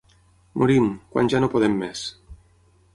Morim, quan ja no podem més.